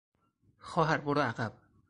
خواهر برو عقب!